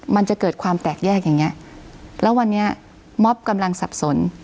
มันจะเกิดความแตกแยกอย่างเงี้ยแล้ววันนี้ม็อบกำลังสับสน